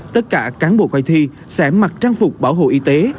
tất cả cán bộ coi thi sẽ mặc trang phục bảo hộ y tế